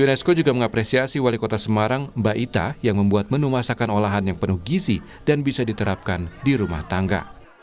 unesco juga mengapresiasi wali kota semarang mbak ita yang membuat menu masakan olahan yang penuh gizi dan bisa diterapkan di rumah tangga